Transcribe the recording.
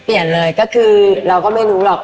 เปลี่ยนเลยก็คือเราก็ไม่รู้หรอก